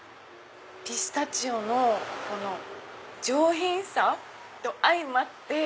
ピスタチオの上品さと相まって。